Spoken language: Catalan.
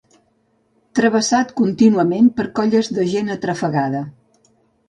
Travessat contínuament per colles de gent atrafegada